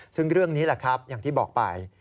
ซึ่งเรื่องนี้แหละครับอย่างที่บอกไป